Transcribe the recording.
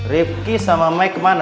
rifki sama mike kemana